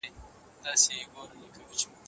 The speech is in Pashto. مسیحا هیڅکله د نورو پام ځان ته نه اړوي.